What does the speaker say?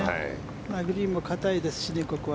グリーンも硬いですしね、ここは。